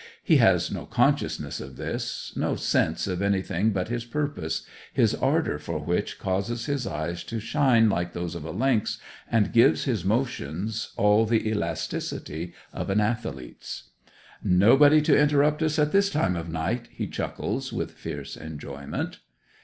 He has no consciousness of this no sense of anything but his purpose, his ardour for which causes his eyes to shine like those of a lynx, and gives his motions, all the elasticity of an athlete's. 'Nobody to interrupt us at this time of night!' he chuckles with fierce enjoyment.